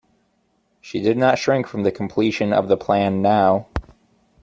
She did not shrink from the completion of the plan now.